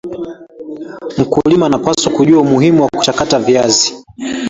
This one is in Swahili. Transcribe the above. mkulima anapaswa kujua umuhimuwa kuchakata viazi